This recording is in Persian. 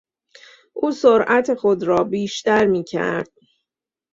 او سرعت خود را بیشتر میکرد.